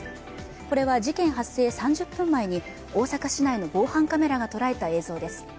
これは事件発生３０分前に大阪市内の防犯カメラが捉えた映像です。